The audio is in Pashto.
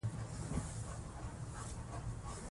دا ژبه به مو تل ملاتړ کوي.